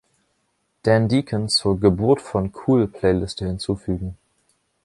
Dan Deacon zur „Geburt von Cool“-Playliste hinzufügen